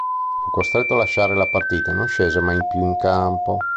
Fu costretto a lasciare la partita e non scese mai più in campo.